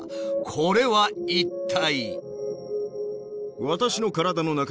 これは一体。